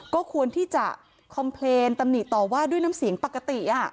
ก็ควรที่จะคอมเพลย์ตำหนิต่อว่าด้วยน้ำเสียงปกติ